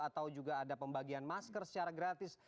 atau juga ada pembagian masker secara gratis